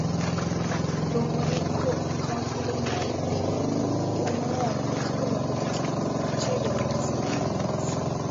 論語に、「子、川のほとりに在りていわく、逝く者はかくの如きかな、昼夜をおかず」とあります